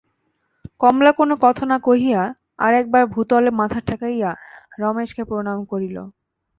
কমলা কোনো কথা না কহিয়া আর-একবার ভূতলে মাথা ঠেকাইয়া রমেশকে প্রণাম করিল।